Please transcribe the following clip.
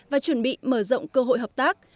và chuẩn bị mở rộng cơ hội hợp tác